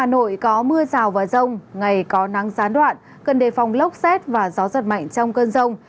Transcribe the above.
hà nội có mưa rào và rông ngày có nắng gián đoạn cần đề phòng lốc xét và gió giật mạnh trong cơn rông